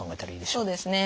そうですね。